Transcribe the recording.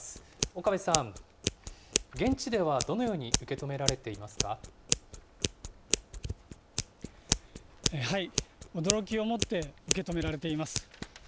岡部さん、現地ではどのように受驚きをもって受け止められています。